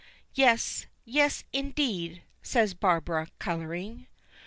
"Yes, yes, indeed," says Barbara, coloring.